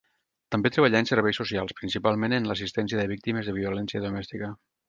També treballà en serveis socials principalment en l'assistència de víctimes de violència domèstica.